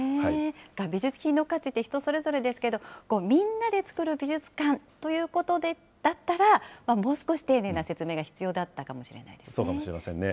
美術品の価値って人それぞれですけれども、みんなでつくる美術館ということだったら、もう少し丁寧な説明が必要だったかもしれませんね。